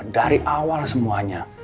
dari awal semuanya